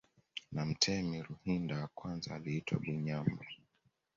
Na mtemi Ruhinda wa kwanza aliitwa Bunyambo